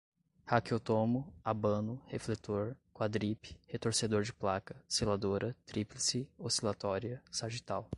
raquiotomo, abano, refletor, quadripe, retorcedor de placa, seladora, tríplice, oscilatória, sagital